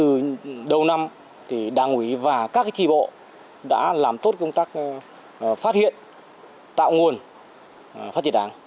từ đầu năm đảng ủy và các tri bộ đã làm tốt công tác phát hiện tạo nguồn phát triển đảng